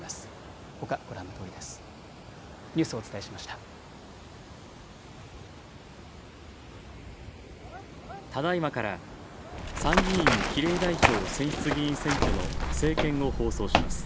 ただいまから参議院比例代表選出議員選挙の政見を放送します。